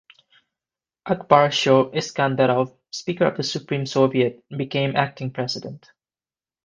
Akbarsho Iskandarov, Speaker of the Supreme Soviet, became acting president.